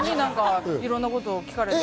いろんなことを聞かれて。